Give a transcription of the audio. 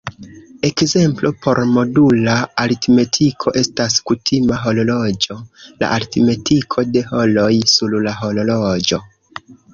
Ekzemplo por modula aritmetiko estas kutima horloĝo: la aritmetiko de horoj sur la horloĝo.